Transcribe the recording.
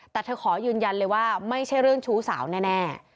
แต่เธอขอยืนยันเลยว่าไม่ใช่เรื่องชู้สาวแน่